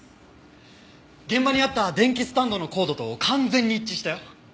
現場にあった電気スタンドのコードと完全に一致したよ。